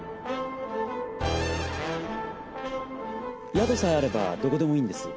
宿さえあればどこでもいいんです。